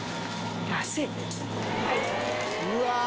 「うわ！」